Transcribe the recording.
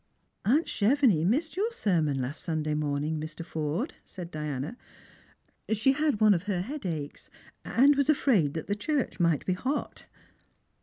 " Aunt Chevenix missed your sermon last Sunday morning, Mr. Forde," said Diana. " She had one of her headaches, and was afraid the church might be hot."